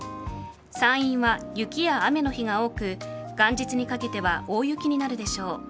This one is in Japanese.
山陰は雪や雨の日が多く元日にかけては大雪になるでしょう。